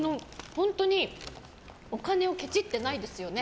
本当にお金をケチってないですよね。